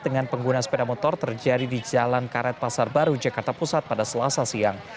dengan pengguna sepeda motor terjadi di jalan karet pasar baru jakarta pusat pada selasa siang